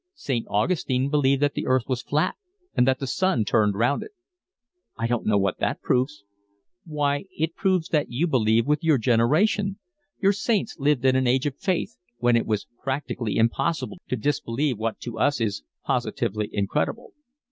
"St. Augustine believed that the earth was flat and that the sun turned round it." "I don't know what that proves." "Why, it proves that you believe with your generation. Your saints lived in an age of faith, when it was practically impossible to disbelieve what to us is positively incredible."